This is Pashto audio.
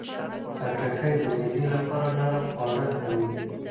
خټکی د معدې لپاره نرم خواړه دي.